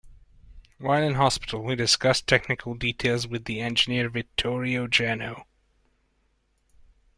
While in hospital, he discussed technical details with the engineer Vittorio Jano.